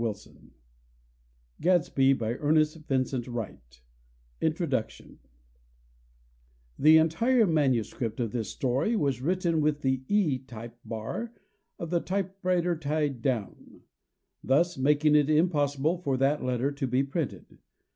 [Illustration: ERNEST VINCENT WRIGHT] INTRODUCTION The entire manuscript of this story was written with the E type bar of the typewriter tied down; thus making it impossible for that letter to be printed.